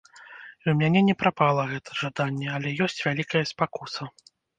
І ў мяне не прапала гэта жаданне, але ёсць вялікая спакуса.